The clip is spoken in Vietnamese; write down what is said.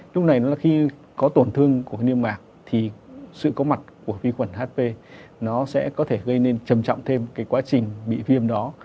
lúc này là khi có tổn thương của niêm mạc thì sự có mặt của vi khuẩn hp nó sẽ có thể gây nên trầm trọng thêm cái quá trình bị viêm đó